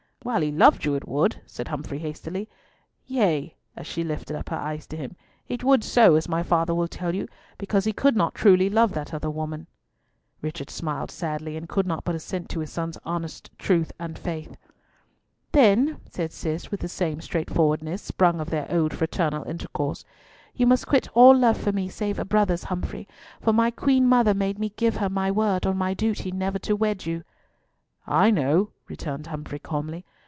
"While he loved you it would," said Humfrey hastily. "Yea," as she lifted up her eyes to him, "it would so, as my father will tell you, because he could not truly love that other woman." Richard smiled sadly, and could not but assent to his son's honest truth and faith. "Then," said Cis, with the same straightforwardness, sprung of their old fraternal intercourse, "you must quit all love for me save a brother's, Humfrey; for my Queen mother made me give her my word on my duty never to wed you." "I know," returned Humfrey calmly.